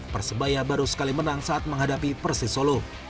persebaya baru sekali menang saat menghadapi persisolo